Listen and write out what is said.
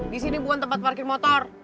di sini bukan tempat parkir motor